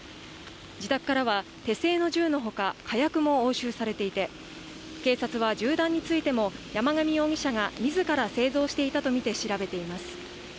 自宅からは手製の銃のほか火薬も押収されていて警察は銃弾についても山上容疑者がみずから製造していたとみて調べています